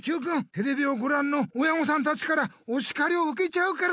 テレビをごらんの親御さんたちからおしかりをうけちゃうから！